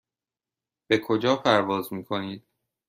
به کجا پرواز میکنید؟